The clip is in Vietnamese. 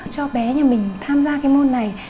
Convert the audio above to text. cho bé nhà mình tham gia cái môn này